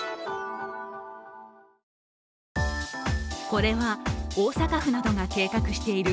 これは、大阪府などが計画している